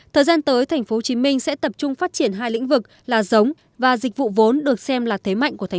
thời gian tới tp hcm sẽ tập trung phát triển hai lĩnh vực là giống và dịch vụ vốn được xem là thế mạnh của thành phố